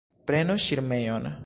Prenu ŝirmejon!